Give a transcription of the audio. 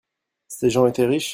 Ces gens étaient riches ?